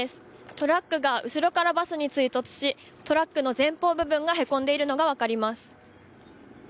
トラックが後ろからバスに追突しトラックの前方部分がへこんでいるのが分かります。